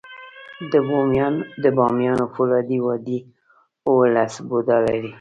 د بامیانو فولادي وادي اوولس بودا لري